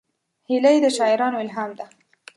هیلۍ د شاعرانو الهام ده